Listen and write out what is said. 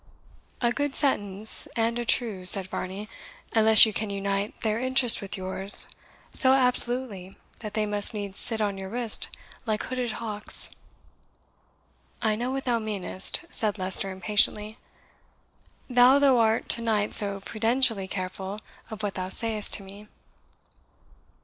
"A good sentence and a true," said Varney, "unless you can unite their interest with yours so absolutely that they must needs sit on your wrist like hooded hawks." "I know what thou meanest," said Leicester impatiently, "though thou art to night so prudentially careful of what thou sayest to me.